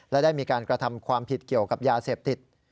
และได้มีการกระทำความผิดเกี่ยวกับยาเสพติด